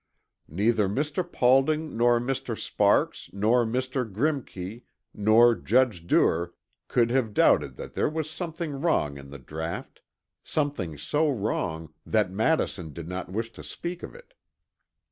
Neither Mr. Paulding nor Mr. Sparks nor Mr. Grimke nor Judge Duer could have doubted that there was something wrong in the draught something so wrong that Madison did not wish to speak of it.